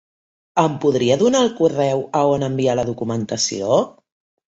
Em podria donar el correu a on enviar la documentació?